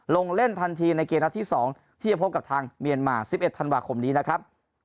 ลงเล่นทันทีในเกมนัดที่๒ที่จะพบกับทางเมียนมา๑๑ธันวาคมนี้นะครับ